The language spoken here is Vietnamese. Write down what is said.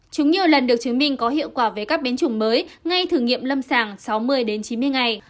chúng nhiều lần được chứng minh có hiệu quả về các biến chủng mới ngay thử nghiệm lâm sàng sáu mươi đến chín mươi ngày